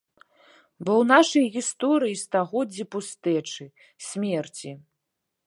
Бо ў нашай гісторыі стагоддзі пустэчы, смерці.